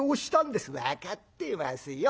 「分かってますよ。